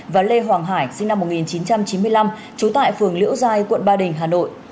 và lê hoàng hải sinh năm một nghìn chín trăm chín mươi năm trú tại phường liễu giai quận ba đình hà nội